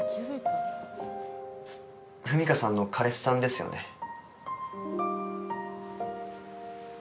文香さんの彼氏さんですよね？